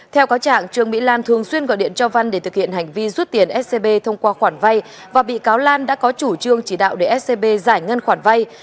theo cáo trạng trương mỹ lan thường xuyên gọi điện cho văn để thực hiện hành vi rút tiền scb thông qua khoản vay và bị cáo lan đã có chủ trương chỉ đạo để scb giải ngân khoản vay